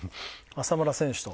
浅村選手と。